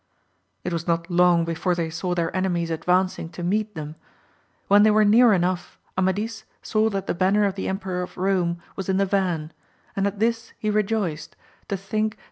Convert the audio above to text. It was not long before they saw their enemies ad vancing to meet them. When they were near enough, Amadis saw that the banner of the Emperor of Rome was in the van ; and at this he rejoiced, to think that VOL.